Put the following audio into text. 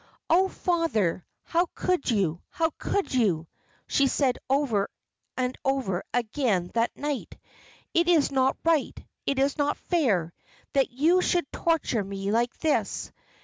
"Oh, father, how could you, how could you!" she said over and over again that night. "It is not right, it is not fair, that you should torture me like this.